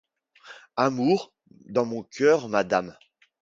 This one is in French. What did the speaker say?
Amour ! dans mon coeur, madame